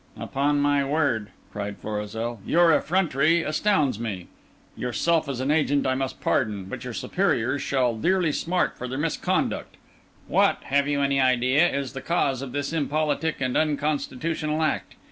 "Upon my word," cried Florizel, "your effrontery astounds me! Yourself, as an agent, I must pardon; but your superiors shall dearly smart for their misconduct. What, have you any idea, is the cause of this impolitic and unconstitutional act?